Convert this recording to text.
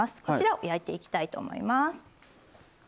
こちらを焼いていきたいと思います。